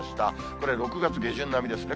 これ、６月下旬並みですね。